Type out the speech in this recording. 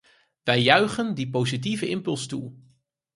Wij juichen die positieve impuls toe.